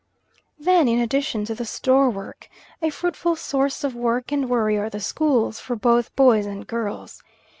Then in addition to the store work, a fruitful source of work and worry are the schools, for both boys and girls.